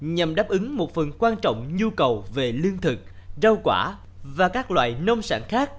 nhằm đáp ứng một phần quan trọng nhu cầu về lương thực rau quả và các loại nông sản khác